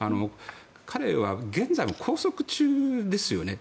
彼は現在も拘束中ですよね。